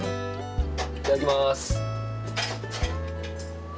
いただきます。